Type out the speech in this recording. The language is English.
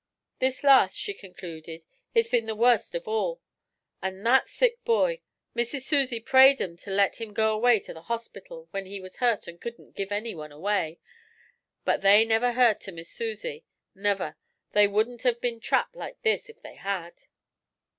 'This las',' she concluded, 'hit's been the wo'st of all. An' that sick boy! Missis Susie prayed 'em to let him go away to the hospital, when he was hurt and couldn't give anyone away. But they nuver heard to Missis Susie nuver! They wouldn't have been trapped like this if they had.'